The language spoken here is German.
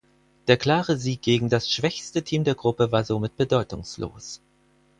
Der klare Sieg gegen das schwächste Team der Gruppe war somit bedeutungslos.